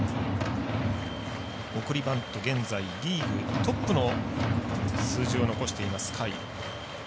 送りバント、現在リーグトップの数字を残しています甲斐。